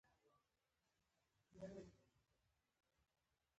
نور زده کوونکي دې په ځیرتیا سره غوږ ونیسي.